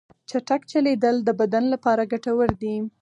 چټک چلیدل د بدن لپاره ګټور دي.